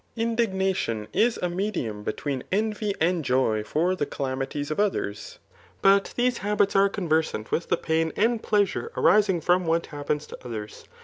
IndignaticHi is a medium between envy and joy for the calamities of others ; but these habits are conversant with the pain and pleasure arismg from what happens to others.